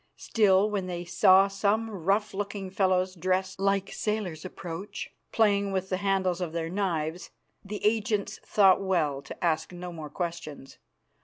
Still, when they saw some rough looking fellows dressed like sailors approach, playing with the handles of their knives, the agents thought well to ask no more questions.